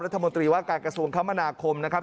รัฐมนตรีว่าการกระทรวงคมนาคมนะครับ